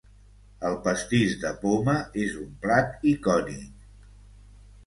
El pastís de poma és un plat icònic.